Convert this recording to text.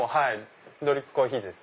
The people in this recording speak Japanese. ドリップコーヒーです。